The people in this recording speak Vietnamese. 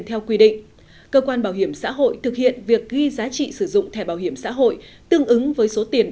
theo quy định cơ quan bảo hiểm xã hội thực hiện việc ghi giá trị sử dụng thẻ bảo hiểm xã hội tương ứng với số tiền